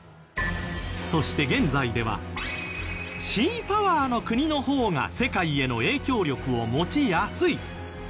そして現在ではシーパワーの国の方が世界への影響力を持ちやすい世界の覇権を握りやすいと